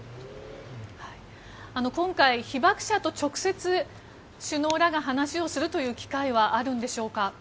今回、被爆者と直接首脳らが話をするという機会はあるのでしょうか。